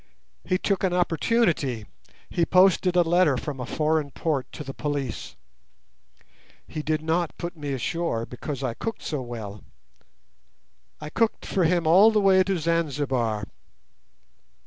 He took an opportunity. He posted a letter from a foreign port to the police. He did not put me ashore because I cooked so well. I cooked for him all the way to Zanzibar.